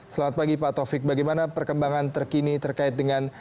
selamat pagi pak taufik bagaimana perkembangan terkini terkait dengan